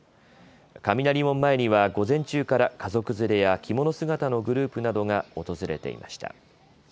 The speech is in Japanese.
雷門前には午前中から家族連れや着物姿のグループなどが訪れていました。